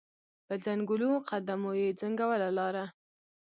په ځنګولو قدمو یې ځنګوله لاره